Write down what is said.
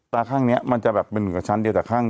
ตาข้างเนี้ยมันจะแบบเป็นหนึ่งกับชั้นเดียวแต่